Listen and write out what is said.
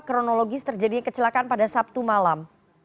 kronologis terjadinya kecelakaan pada sabtu malam